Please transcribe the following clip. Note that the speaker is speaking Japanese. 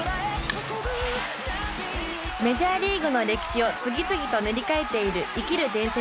メジャーリーグの歴史を次々と塗り替えている生きる伝説